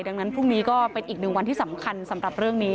ดังนั้นพรุ่งนี้ก็เป็นอีกหนึ่งวันที่สำคัญสำหรับเรื่องนี้